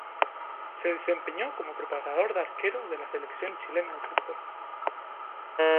Se desempeñó como preparador de arqueros de la Selección Chilena de Fútbol.